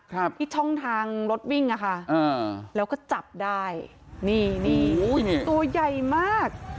ครับที่ช่องทางรถวิ่งอ่ะค่ะอ่าแล้วก็จับได้นี่นี่ตัวใหญ่มาก